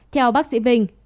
theo bác sĩ vinh